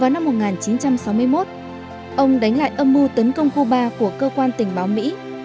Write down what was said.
năm một nghìn chín trăm sáu mươi một ông đánh lại âm mưu tấn công cuba của cơ quan tình báo mỹ